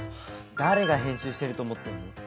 誰が編集してると思ってんの？